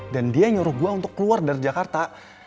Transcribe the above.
dan dia nyuruh gue untuk keluar dari jakarta